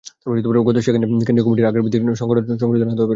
সেখানেই কেন্দ্রীয় কমিটির আকার বৃদ্ধির লক্ষ্যে গঠনতন্ত্রে সংশোধনী আনা হতে পারে।